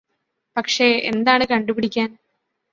പക്ഷെ എന്താണ് കണ്ടുപിടിക്കാന്